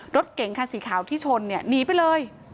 รถเก๋งคันสีขาวที่ชนเนี่ยหนีไปเลย